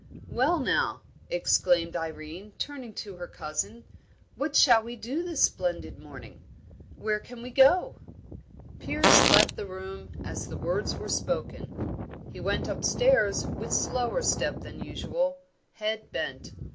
"Well, now," exclaimed Irene, turning to her cousin, "what shall we do this splendid morning? Where can we go?" Piers left the room as the words were spoken. He went upstairs with slower step than usual, head bent.